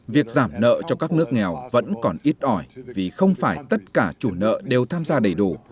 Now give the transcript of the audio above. việc giảm nợ cho các nước nghèo vẫn còn ít ỏi vì không phải tất cả chủ nợ đều tham gia đầy đủ